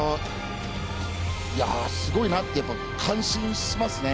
すごいなって感心しますね。